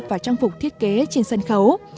và trang phục thiết kế trên sân khấu